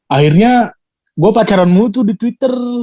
akhirnya gue pacaran mulu tuh di twitter